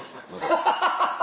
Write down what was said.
ハハハハ！